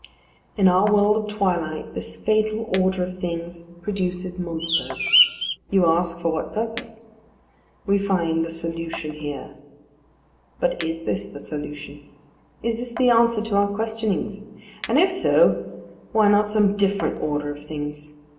In our world of twilight this fatal order of things produces monsters. You ask for what purpose. We find the solution here. But is this the solution? Is this the answer to our questionings? And if so, why not some different order of things?